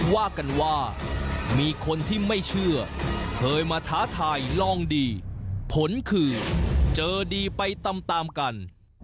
ว่ากันว่ามีคนที่ไม่เชื่อเคยมาท้าทายลองดีผลคือเจอดีไปตามตามกัน